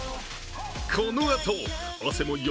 このあと、汗もよ